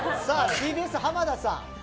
ＴＢＳ、浜田さん。